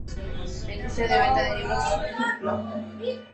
La industria de venta de libros es un ejemplo.